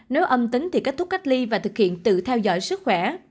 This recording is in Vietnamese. nếu âm tính thì kết thúc cách ly và thực hiện tự theo dõi sức khỏe